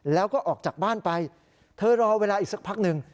แล้วก็ออกจากบ้านไปเธอรอเวลาอีกสักพักหนึ่ง